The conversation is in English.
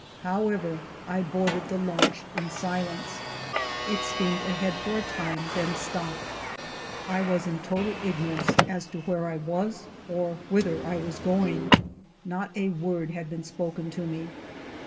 However, I boarded the launch in silence. It steamed ahead for a time, then stopped. I was in total ignorance as to where I was or whither I was going. Not a word had been spoken to me.